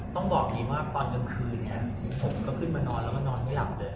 ต้องบอกอย่างนี้ว่าตอนกลางคืนเนี่ยผมก็ขึ้นมานอนแล้วก็นอนไม่หลับเลย